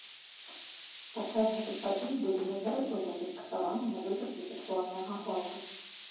Падчас гэтых падзей былі неаднаразова зафіксаваныя выпадкі сексуальнага гвалту.